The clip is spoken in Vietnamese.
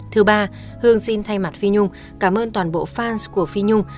thứ ba hương xin thay mặt phí nhung cảm ơn toàn bộ fans của phí nhung